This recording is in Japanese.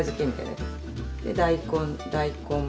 で大根大根